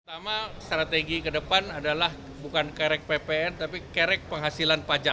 pertama strategi ke depan adalah bukan kerek ppn tapi kerek penghasilan pajak